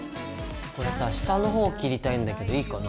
これさ下の方を切りたいんだけどいいかな？